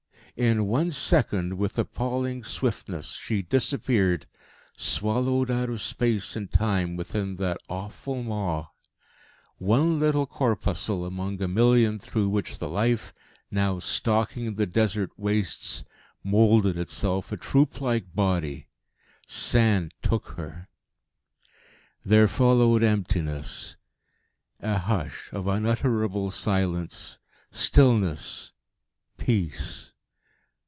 In one second, with appalling swiftness, she disappeared, swallowed out of space and time within that awful maw one little corpuscle among a million through which the Life, now stalking the Desert wastes, moulded itself a troop like Body. Sand took her. There followed emptiness a hush of unutterable silence, stillness, peace.